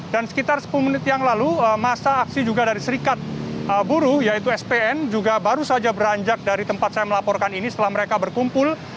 dan sekitar sepuluh menit yang lalu masa aksi juga dari serikat buruh yaitu spn juga baru saja beranjak dari tempat saya melaporkan ini setelah mereka berkumpul